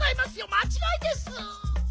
まちがいです。